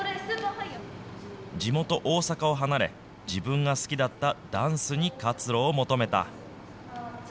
地元、大阪を離れ、自分が好きだったダンスに活路を求めた。